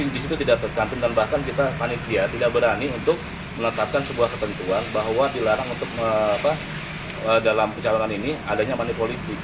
di situ tidak tercantum dan bahkan kita panitia tidak berani untuk menetapkan sebuah ketentuan bahwa dilarang untuk dalam pencalonan ini adanya manipolitik